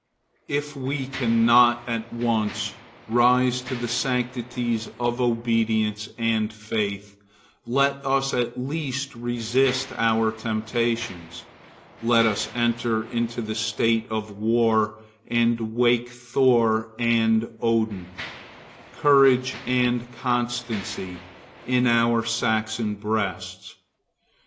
If we cannot at once rise to the sanctities of obedience and faith, let us at least resist our temptations; let us enter into the state of war and wake Thor and Woden, courage and constancy, in our Saxon breasts.